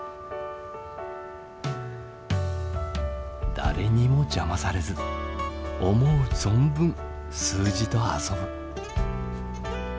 誰にも邪魔されず思う存分数字と遊ぶ。